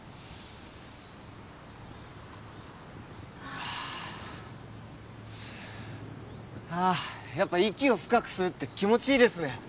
はあっやっぱ息を深く吸うって気持ちいいですね